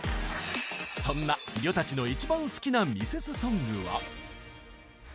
そんなりょたちの一番好きなミセスソングは？